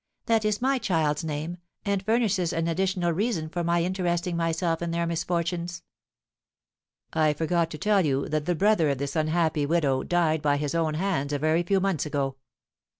That is my child's name; and furnishes an additional reason for my interesting myself in their misfortunes." "I forgot to tell you that the brother of this unhappy widow died by his own hands a very few months ago."